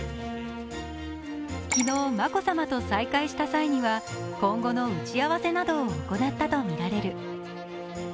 昨日、眞子さまと再会した際には今後の打ち合わせなどを行ったとみられる。